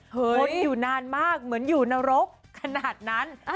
คนอยู่นานมากเหมือนอยู่นรกขนาดนั้น